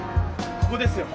ここですよ。